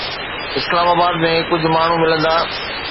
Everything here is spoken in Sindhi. اسلام آباد ۾ ڪجهه ماڻهو ملندا.